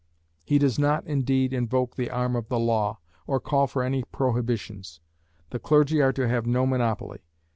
He does not, indeed, invoke the arm of the law, or call for any prohibitions. The clergy are to have no monopoly.